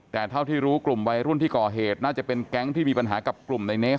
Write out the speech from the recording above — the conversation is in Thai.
แต่เท่าที่รู้กลุ่มวัยรุ่นที่ก่อเหตุน่าจะเป็นแก๊งที่มีปัญหากับกลุ่มในเนส